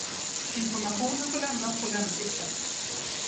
Informationen får lämnas på lämpligt sätt.